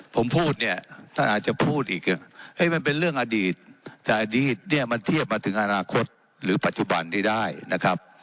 ผมพูดเนี่ยท่านอาจจะพูดอีกมันเป็นเรื่องอดีตแต่อดีตเนี่ยมันเทียบมาถึงอนาคตหรือปัจจุบันที่ได้นะครับ